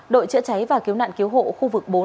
đội chữa cháy và cứu nạn cứu hộ khu vực bốn